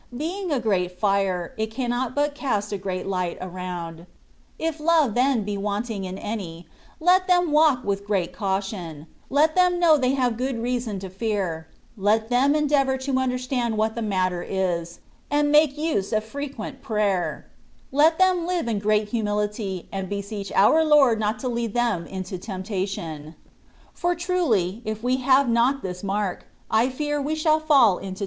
Being a great fire, it can not but cast a great light around. K love, then, be wanting in any, let them walk with great cau tion : let them know they have good reason to fear : let them endeavour to understand what the matter is, and make use of frequent prayer ; let them live in great humility, and beseech our Lord not to lead them into temptation; for truly, if we have not this mark, I fear we shall fall into 204 THE WAY OF PERFECTION.